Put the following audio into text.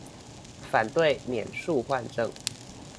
反對免術換證